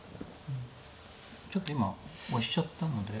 ちょっと今オシちゃったので。